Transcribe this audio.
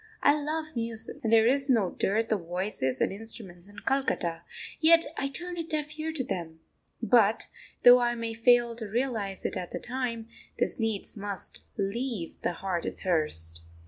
I love music, and there is no dearth of voices and instruments in Calcutta, yet I turn a deaf ear to them. But, though I may fail to realise it at the time, this needs must leave the heart athirst.